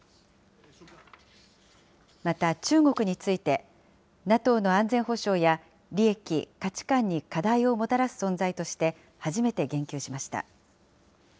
また中国について、ＮＡＴＯの安全保障や利益、価値観に課題をもたらす存在として、初めて言及しました。